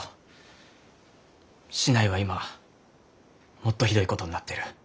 市内は今もっとひどいことになってる。